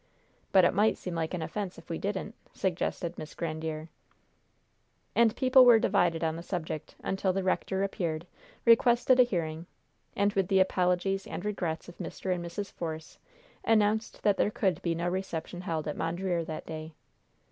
"But it might seem like an offense if we didn't," suggested Miss Grandiere. And people were divided on the subject until the rector appeared, requested a hearing, and, with the apologies and regrets of Mr. and Mrs. Force, announced that there could be no reception held at Mondreer that day.